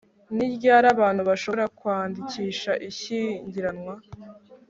ni ryari abantu bashobora kwandikisha ishyingiranwa